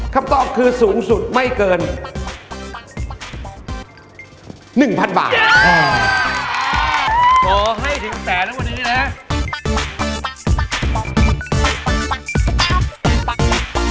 คำตอบคือสูงสุดไม่เกิน๑๐๐๐บาท